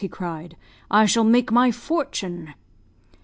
he cried. 'I shall make my fortune!'